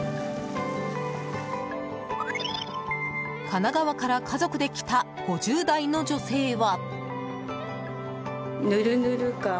神奈川から家族で来た５０代の女性は。